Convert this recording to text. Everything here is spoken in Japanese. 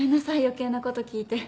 余計なこと聞いて。